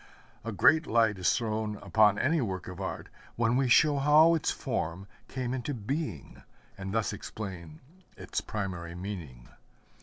A great light is thrown upon any work of art when we show how its form came into being, and thus explain its primary meaning.